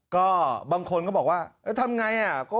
ก็บางคนก็บอกว่าทำอย่างไร